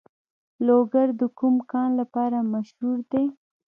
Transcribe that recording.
لوګر د کوم کان لپاره مشهور دی؟